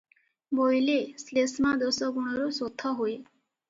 ବୋଇଲେ ଶ୍ଳେଷ୍ମା ଦୋଷ ଗୁଣରୁ ଶୋଥ ହୁଏ ।